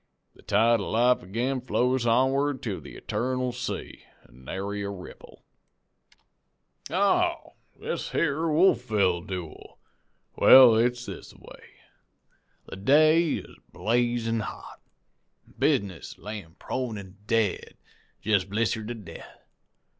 The tide of life ag'in flows onward to the eternal sea, an' nary ripple. "Oh, this yere Wolfville dooel! Well, it's this a way. The day is blazin' hot, an' business layin' prone an' dead jest blistered to death.